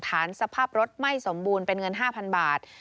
สภาพรถไม่สมบูรณ์เป็นเงิน๕๐๐๐บาท